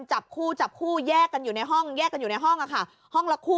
จับคู่จับคู่แยกกันอยู่ในห้องแยกกันอยู่ในห้องค่ะห้องละคู่